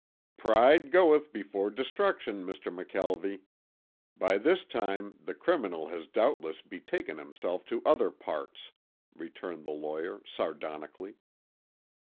"Pride goeth before destruction, Mr. McKelvie. By this time the criminal has doubtless betaken himself to other parts," returned the lawyer, sardonically.